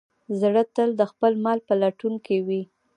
زړه تل د خپل مل په لټون کې وي.